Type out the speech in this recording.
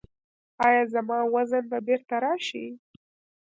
ایا زما وزن به بیرته راشي؟